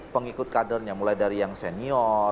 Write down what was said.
pengikut kadernya mulai dari yang senior